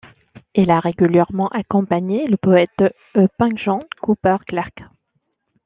Il a régulièrement accompagné le poète punk John Cooper Clarke.